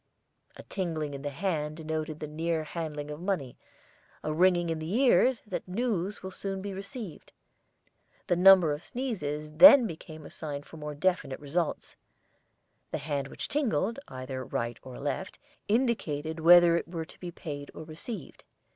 A tingling in the hand denoted the near handling of money, a ringing in the ears that news will soon be received. The number of sneezes then became a sign for more definite results. The hand which tingled, either right or left, indicated whether it were to be paid or received.